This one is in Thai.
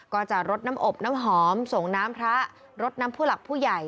ก็จะรดน้ำอบน้ำหอมส่งน้ำพระรดน้ำผู้หลักผู้ใหญ่